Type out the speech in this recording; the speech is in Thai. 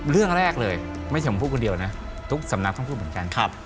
เรื่องแรกเลยไม่ใช่ผมพูดคนเดียวนะทุกสำนักต้องพูดเหมือนกัน